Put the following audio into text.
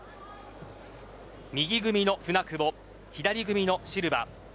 右組みの舟久保、左組みのシルバ。